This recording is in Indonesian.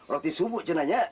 roti subuh cunanya